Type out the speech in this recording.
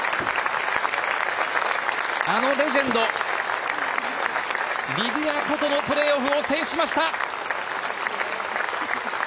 あのレジェンドリディア・コとのプレーオフを制しました！